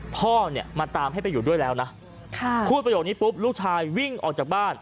พ่อเนี่ยมาตามให้ไปอยู่ด้วยแล้วนะพูดประโยคนี้ปุ๊บลูกชายวิ่งออกจากบ้าน